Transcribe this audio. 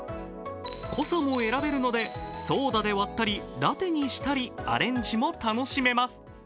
濃さも選べるのでソーダで割ったり、ラテにしたり、アレンジも楽しめます。